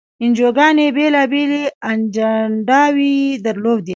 انجیوګانې بېلابېلې اجنډاوې یې درلودې.